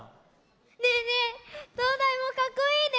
ねえねえとうだいもかっこいいね。